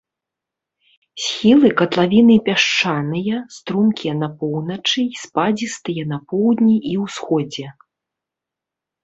Схілы катлавіны пясчаныя, стромкія на поўначы і спадзістыя на поўдні і ўсходзе.